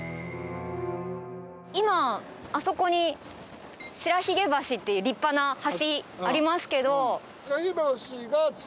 今あそこに白鬚橋っていう立派な橋ありますけど。